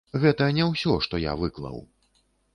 Гэта не ўсе што я выклаў.